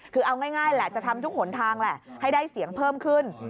คือเอาง่ายแหละจะทำทุกหนทางแหละให้ได้เสียงเพิ่มขึ้น